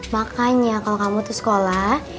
makanya kalau kamu tuh sekolah